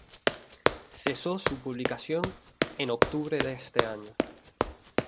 Cesó su publicación en octubre de ese año.